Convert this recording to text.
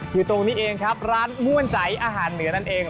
อยู่ตรงนี้เองครับร้านม่วนใจอาหารเหนือนั่นเอง